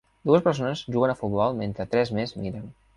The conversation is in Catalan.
Dues persones juguen a futbol mentre tres més miren.